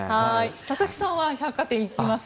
佐々木さんは百貨店行きます？